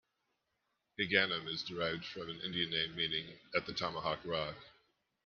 Higganum is derived from an Indian name meaning "at the tomahawk rock".